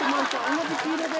同じ黄色で。